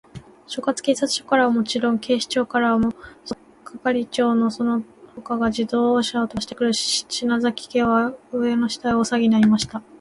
所轄警察署からはもちろん、警視庁からも、捜査係長その他が自動車をとばしてくる、篠崎家は、上を下への大さわぎになりました。